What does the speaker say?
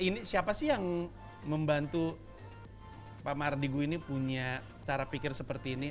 ini siapa sih yang membantu pak mardigu ini punya cara pikir seperti ini